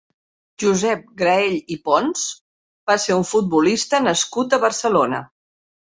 Josep Graell i Pons va ser un futbolista nascut a Barcelona.